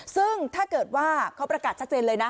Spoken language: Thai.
ซึ่งถ้าเกิดว่าเขาประกาศชัดเจนเลยนะ